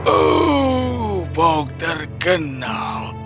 oh fok terkenal